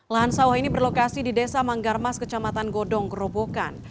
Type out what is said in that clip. lahan sawah ini berlokasi di desa manggarmas kecamatan godong gerobokan